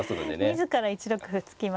自ら１六歩突きましたからね。